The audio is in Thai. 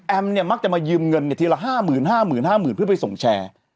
แอมเนี่ยมักจะมายืมเงินเนี่ยทีละห้าหมื่นห้าหมื่นห้าหมื่นเพื่อไปส่งแชร์